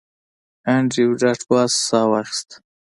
انډریو ډاټ باس ساه واخیسته